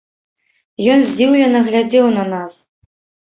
Ён здзіўлена глядзеў на нас.